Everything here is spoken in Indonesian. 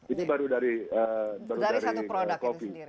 ini baru dari kopi